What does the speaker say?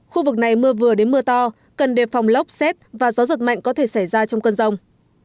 khu vực này mưa vừa đến mưa to cần đề phòng lốc xét và gió giật mạnh có thể xảy ra trong cơn rông